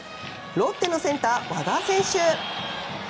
ロッテのセンター、和田選手。